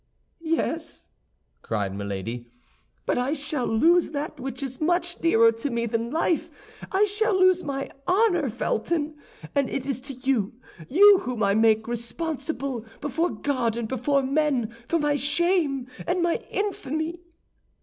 "Yes," cried Milady, "but I shall lose that which is much dearer to me than life, I shall lose my honor, Felton; and it is you, you whom I make responsible, before God and before men, for my shame and my infamy."